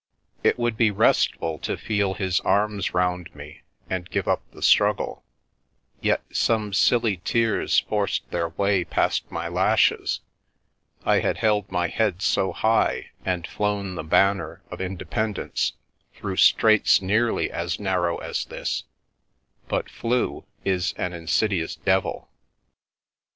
It would be restful to feel his arms round me and give up the struggle ; yet some silly tears forced their way past my lashes — I had held my head so high and flown the banner of independ ence through straits nearly as narrow as this, but " flu " is an insidious devil.